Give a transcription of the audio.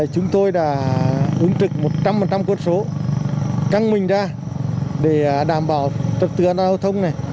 chúng tôi đã ứng trực một trăm linh quân số căng mình ra để đảm bảo tập tư an toàn giao thông này